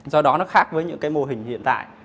do đó nó khác với những cái mô hình hiện tại